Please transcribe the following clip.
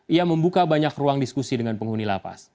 ia membuka banyak ruang diskusi dengan penghuni lapas